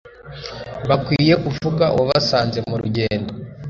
Bakwiriye kuvuga uwabasanze mu rugendo.